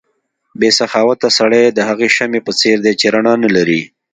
بې سخاوته سړی د هغې شمعې په څېر دی چې رڼا نه لري.